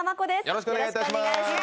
よろしくお願いします